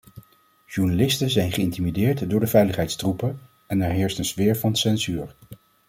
Journalisten zijn geïntimideerd door de veiligheidstroepen en er heerst een sfeer van censuur.